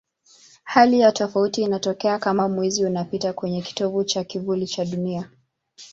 Hali ya tofauti inatokea kama Mwezi unapita kwenye kitovu cha kivuli cha Dunia.